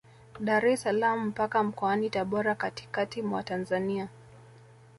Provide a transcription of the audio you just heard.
Dar es salaam mpaka Mkoani Tabora katikati mwa Tanzania